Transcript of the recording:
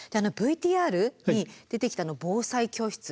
ＶＴＲに出てきた防災教室